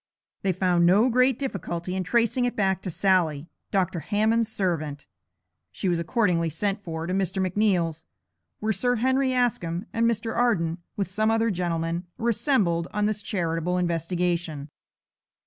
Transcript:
They found no great difficulty in tracing it back to Sally, Dr. Hammond's servant. She was accordingly sent for to Mr. McNeal's, where Sir Henry Askham and Mr. Arden, with some other gentlemen, were assembled on this charitable investigation.